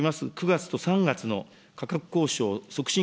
９月と３月の価格交渉促進